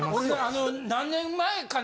何年前かな？